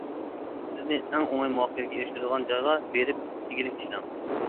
سىزنى ئەڭ ئوڭاي مۇۋەپپەقىيەتكە ئېرىشتۈرىدىغان جايغا بېرىپ ئىگىلىك تىكلەڭ.